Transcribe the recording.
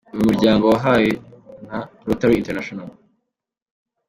uyu muryango wahawe na Rotary International.